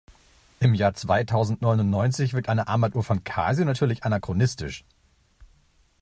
Im Jahr zweitausendneunundneunzig wirkt eine Armbanduhr von Casio natürlich anachronistisch.